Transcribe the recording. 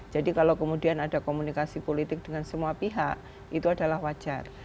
jadi kalau kemudian ada komunikasi politik dengan semua pihak itu adalah wajar